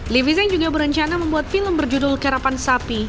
livi zen juga berencana membuat film berjudul karapan sapi